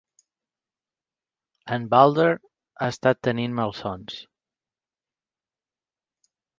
En Baldr ha estat tenint malsons.